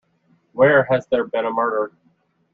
Where has there been a murder?